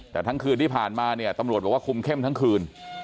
แต่ทั้งคืนที่ผ่านมาเนี่ยตำรวจบอกว่าคุมเข้มทั้งคืน